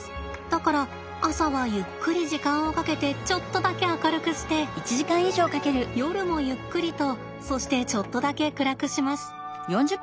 だから朝はゆっくり時間をかけてちょっとだけ明るくして夜もゆっくりとそしてちょっとだけ暗くします。